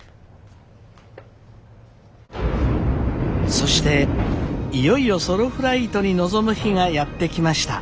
そしていよいよソロフライトに臨む日がやって来ました。